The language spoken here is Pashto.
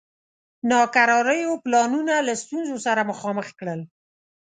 ناکراریو پلانونه له ستونزو سره مخامخ کړل.